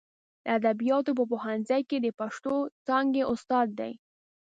د ادبیاتو په پوهنځي کې د پښتو څانګې استاد دی.